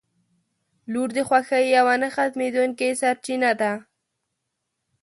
• لور د خوښۍ یوه نه ختمېدونکې سرچینه ده.